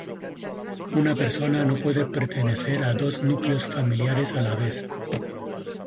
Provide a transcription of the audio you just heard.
Una persona no puede pertenecer a dos núcleos familiares a la vez.